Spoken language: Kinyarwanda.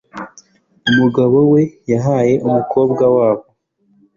Umugabo we yahaye umukobwa wabo